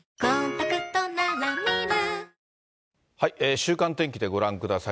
週間天気でご覧ください。